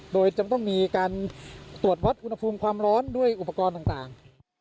โดยจำต้องมีการตรวจวัดอุณหภูมิความร้อนด้วยอุปกรณ์ต่าง